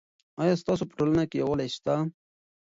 آیا ستاسو په ټولنه کې یووالی سته؟